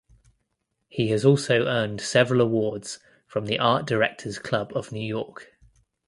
He has also earned several awards from the Art Directors Club of New York.